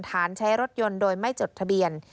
ใช้รถยนต์โดยไม่จดทะเบียน